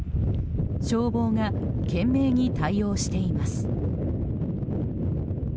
消防が懸命に対応しています。